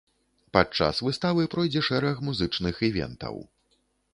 Падчас выставы пройдзе шэраг музычных івентаў.